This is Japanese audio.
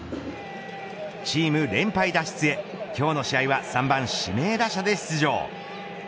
チーム連敗脱出へ今日の試合は３番、指名打者で出場。